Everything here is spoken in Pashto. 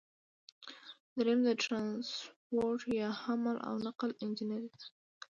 دریم د ټرانسپورټ یا حمل او نقل انجنیری ده.